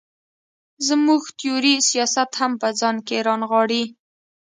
زموږ تیوري سیاست هم په ځان کې را نغاړي.